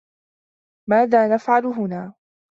ماذا نفعل هنا؟